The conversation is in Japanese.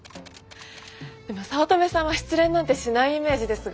でも早乙女さんは失恋なんてしないイメージですが。